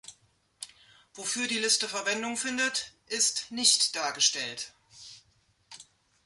Wofür die Liste Verwendung findet, ist nicht dargestellt.